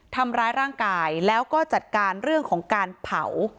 ทำร้ายร่างกายแล้วก็จัดการเรื่องของการเผา